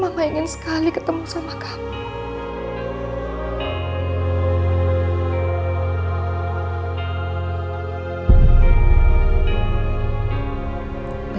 mama ingin sekali ketemu sama kami